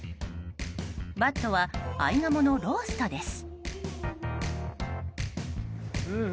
バットは合鴨のローストです。